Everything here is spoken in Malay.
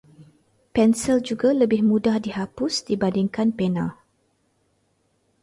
Pensil juga lebih mudah dihapus dibandingkan pena.